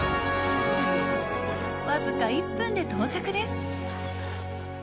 僅か１分で到着です。